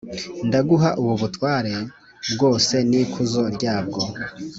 “Ndaguha ubu butware bwose n’ikuzo ryabwo